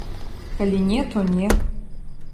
Калі не, то не.